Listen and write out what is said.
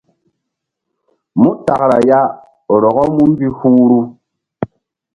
Mu takra ya rɔkɔ mú mbi huhru.